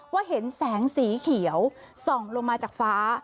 เห็นแสงสีเขียวส่องลงมาจากฟ้า